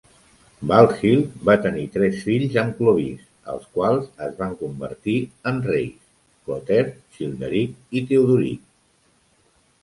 Balthild va tenir tres fills amb Clovis, els quals es van convertir en reis: Clotaire, Childeric i Teodoric.